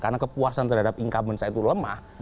karena kepuasan terhadap income saya itu lemah